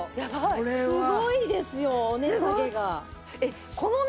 すごいですよお値下げが。